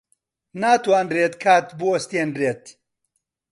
ناتوانرێت کات بوەستێنرێت.